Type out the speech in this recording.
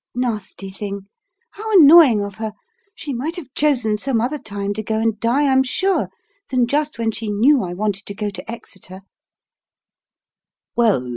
Nasty thing! How annoying of her! She might have chosen some other time to go and die, I'm sure, than just when she knew I wanted to go to Exeter!"